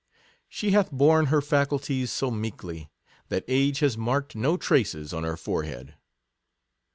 She "hath borne her faculties so meek ly," that age has marked no traces on her forehead.